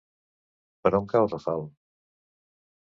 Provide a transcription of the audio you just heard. Per on cau Rafal?